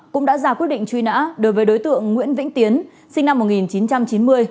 cũng đã ra quyết định truy nã đối với đối tượng nguyễn vĩnh tiến sinh năm một nghìn chín trăm chín mươi